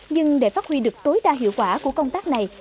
nhưng để phát huy được tối đa hiệu quả của công tác này